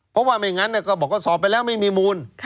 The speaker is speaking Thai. เพราะว่าไม่งั้นก็บอกว่าสอบไปแล้วไม่มีมูล